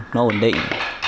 nó ổn định